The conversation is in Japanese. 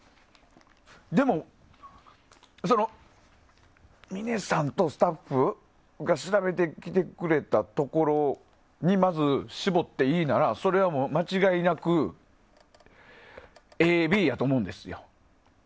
でも、峰さんとスタッフが調べてきてくれたところに、まず絞っていいならまず間違いなくＡ、Ｂやと思うんですよ。